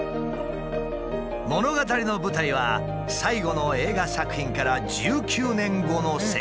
物語の舞台は最後の映画作品から１９年後の世界。